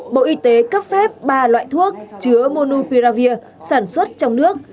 bộ y tế cấp phép ba loại thuốc chứa monupiravir sản xuất trong nước